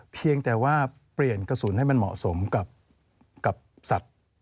เพียงแต่ว่าเปลี่ยนกระสุนให้มันเหมาะสมกับสัตว์